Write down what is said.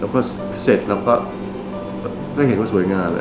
แล้วก็เสร็จแล้วก็เห็นว่าสวยงานเลย